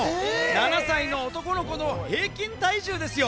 ７歳の男の子の平均体重ですよ。